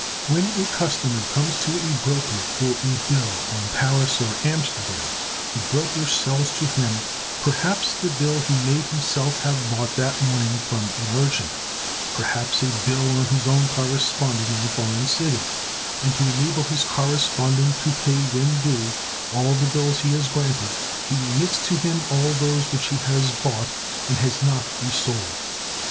When a customer comes to a broker for a bill on Paris or Amsterdam, the broker sells to him perhaps the bill he may himself have bought that morning from a merchant, perhaps a bill on his own correspondent in the foreign city; and, to enable his correspondent to pay, when due, all the bills he has granted, he remits to him all those which he has bought and has not resold.